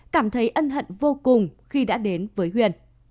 cảm thấy ân hận vô cùng khi đã đến với huyền